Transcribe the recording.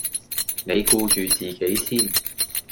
你顧住自己先